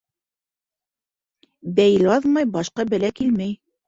Бәйел аҙмай башҡа бәлә килмәй.